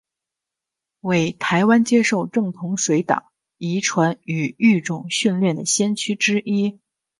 为台湾接受正统水稻遗传与育种训练的先驱之一。